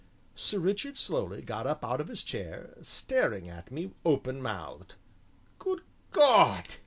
Sir Richard slowly got up out of his chair, staring at me open mouthed. "Good God!"